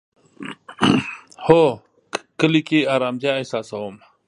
هو، کلی کی ارامتیا احساسوم